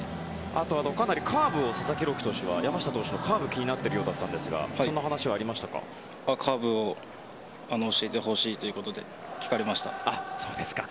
かなりカーブを佐々木朗希投手は山下投手のカーブが気になっているようでしたがカーブを教えてほしいということで聞かれました。